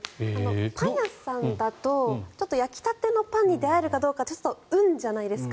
パン屋さんだと焼きたてのパンに出会えるかちょっと運じゃないですか。